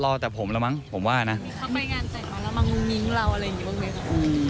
เข้าไปงานเจ็บมาแล้วมางุงงิ้งเราอะไรอย่างนี้บ้าง